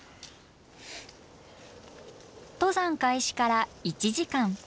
登山開始から１時間。